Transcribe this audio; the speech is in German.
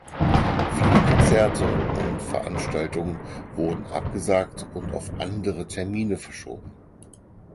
Viele Konzerte und Veranstaltungen wurden abgesagt und auf andere Termine verschoben.